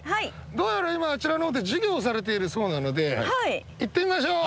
どうやら今あちらの方で授業をされているそうなので行ってみましょう！